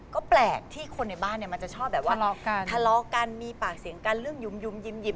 ก็แปลกที่คนในบ้านเนี่ยมันจะชอบแบบว่าทะเลาะกันมีปากเสียงกันเรื่องหยุ่มยิ้ม